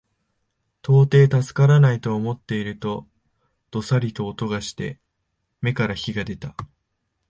到底助からないと思っていると、どさりと音がして眼から火が出た